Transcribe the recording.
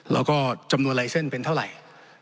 แล้วก็จำนวนลายเส้นเป็นเท่าไหร่